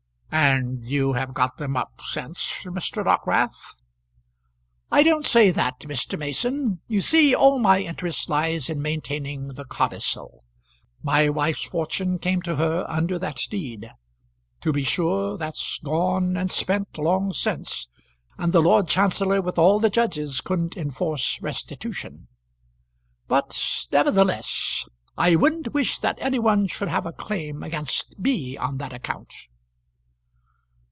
"And you have got them up since, Mr. Dockwrath?" "I don't say that, Mr. Mason. You see all my interest lies in maintaining the codicil. My wife's fortune came to her under that deed. To be sure that's gone and spent long since, and the Lord Chancellor with all the judges couldn't enforce restitution; but, nevertheless, I wouldn't wish that any one should have a claim against me on that account."